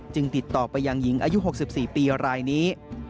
ติดต่อไปยังหญิงอายุ๖๔ปีรายนี้